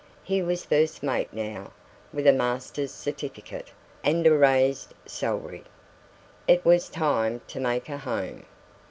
He was first mate now, with a master's certificate and a raised salary; it was time to make a home.